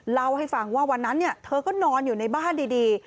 เล่าให้ฟังว่าวันนั้นเธอก็นอนอยู่ในบ้านดี